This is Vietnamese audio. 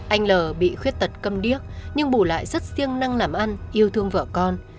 anh lờ bị khuyết tật cầm điếc nhưng bù lại rất siêng năng làm ăn yêu thương vợ con